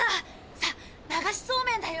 さあ流しそうめんだよ。